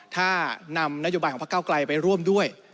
ถ้านำนโยบายของพระเก้าไกลไปร่วมด้วย